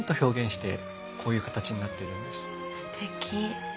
すてき。